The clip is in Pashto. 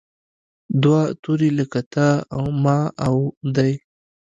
دوه توري لکه تا، ما او دی.